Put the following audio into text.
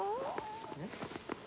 えっ？